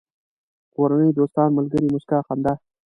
کورنۍ، دوستان، ملگري، موسکا، خندا